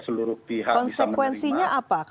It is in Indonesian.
seluruh pihak bisa menerima